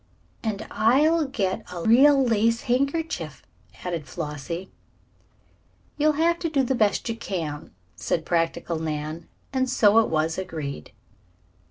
"And I'll get a real lace handkerchief," added Flossie. "You'll have to do the best you can," said practical Nan, and so it was agreed.